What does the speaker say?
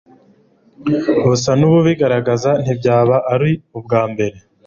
busa n'ububigaragaza, ntibyaba ari ubwa mbere